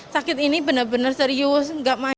sakit ini benar benar serius tidak mahal